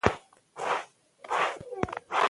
دا کیمیاوي مواد ډوډۍ ژر پخوي.